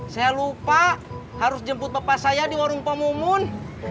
saya lupa harus jemput bapak saya di warung pamumun